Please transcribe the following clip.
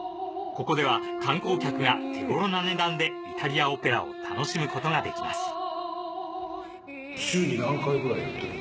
ここでは観光客が手頃な値段でイタリアオペラを楽しむことができます